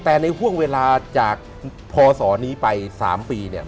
แต่ในห่วงเวลาจากพศนี้ไป๓ปีเนี่ย